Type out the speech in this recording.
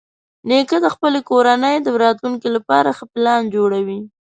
نیکه د خپلې کورنۍ د راتلونکي لپاره ښه پلان جوړوي.